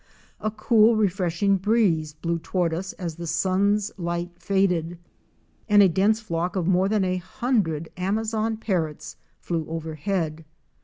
A cool refreshing breeze blew toward us as the sun's light faded and a dense flock of more than a hundred Amazon Parrots flew overhead.